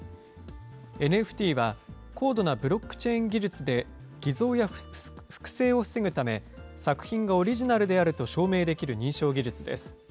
ＮＦＴは高度なブロックチェーン技術で、偽造や複製を防ぐため、作品がオリジナルであると証明できる認証技術です。